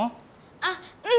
あっうん。